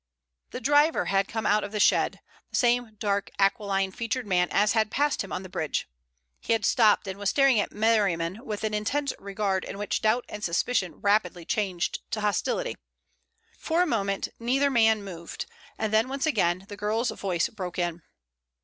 The driver had come out of the shed, the same dark, aquiline featured man as had passed him on the bridge. He had stopped and was staring at Merriman with an intense regard in which doubt and suspicion rapidly changed to hostility. For a moment neither man moved, and then once again the girl's voice broke in.